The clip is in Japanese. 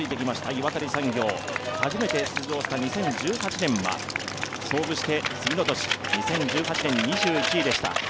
岩谷産業、初めて出場した２０１８年は、創部して次の年、２０１８年、２１位でした。